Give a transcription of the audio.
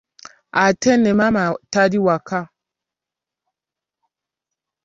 Ate ne maama tali waka.